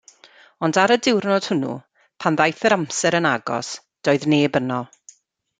Ond ar y diwrnod hwnnw, pan ddaeth yr amser yn agos, doedd neb yno.